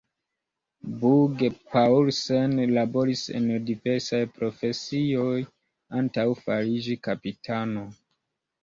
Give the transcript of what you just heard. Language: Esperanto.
Bugge-Paulsen laboris en diversaj profesioj antaŭ fariĝi kapitano.